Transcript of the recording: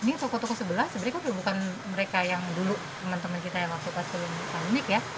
ini toko toko sebelah sebenarnya kan bukan mereka yang dulu teman teman kita yang waktu pasulun